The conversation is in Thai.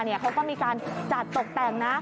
เขาก็มีการจัดตกแต่งนะ